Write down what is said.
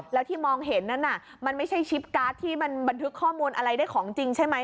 แล้วที่มองเห็นนั้นมันไม่ใช่ชิปการ์ดที่มันบันทึกข้อมูลอะไรได้ของจริงใช่ไหม